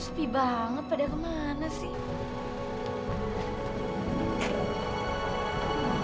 sepi banget pada kemana sih